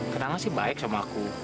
kadang sih baik sama aku